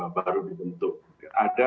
baru dibentuk ada